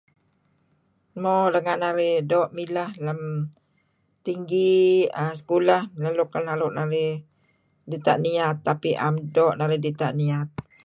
Mo renga' narih doo' milah tinggi sekolah nah luk naru' narih dita' niat tapi am doo' narih dita' niat .